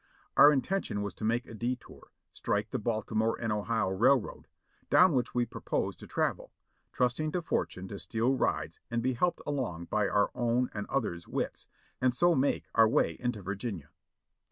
Our intention was to make a detour, strike the Baltimore and Ohio Railroad, down which we proposed to travel, trusting to fortune to steal rides and be helped along by our own and others' wits, and so make our way into Virginia.